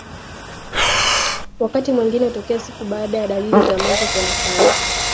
wakati mwingine hutokea siku baada ya dalili za mwanzo kuonekana